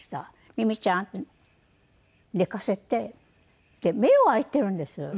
ミミちゃん寝かせて目は開いているんです。